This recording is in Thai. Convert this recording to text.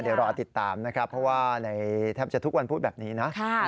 เดี๋ยวรอติดตามนะครับเพราะว่าในแทบจะทุกวันพูดแบบนี้นะ